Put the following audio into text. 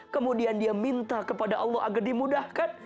kemudian dia minta kepada allah agar dimudahkan